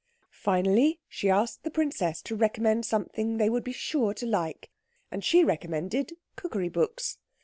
Finally, she asked the princess to recommend something they would be sure to like, and she recommended cookery books.